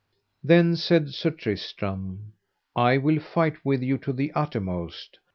Then said Sir Tristram: I will fight with you to the uttermost.